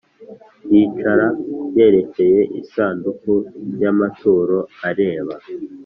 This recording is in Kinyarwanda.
Yicara yerekeye isanduku y amaturo areba